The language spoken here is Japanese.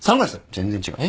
全然違う。